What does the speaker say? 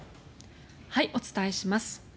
お伝えします。